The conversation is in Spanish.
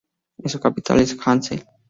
Su capital es Hasselt.